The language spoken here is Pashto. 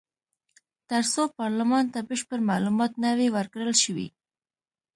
تر څو پارلمان ته بشپړ معلومات نه وي ورکړل شوي.